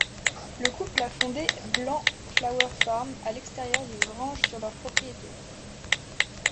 Le couple a fondé Blanc Flower Farm à l’extérieur d'une grange sur leur propriété.